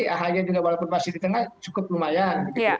ahy juga walaupun masih di tengah cukup lumayan